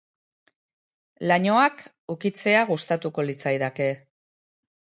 Lainoak ukitzea gustatuko litzaidake.